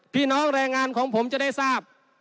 พี่น้องแรงงานของผมจะได้ทราบ